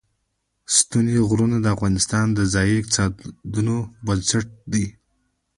ستوني غرونه د افغانستان د ځایي اقتصادونو بنسټ دی.